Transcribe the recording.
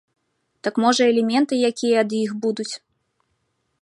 Там можа элементы якія ад іх будуць?